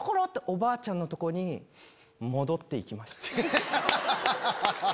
っとおばあちゃんのとこに戻って行きました。